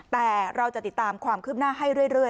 แต่เราจะติดตามความคืบหน้าให้เรื่อย